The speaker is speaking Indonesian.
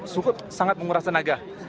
sukup sangat menguras tenaga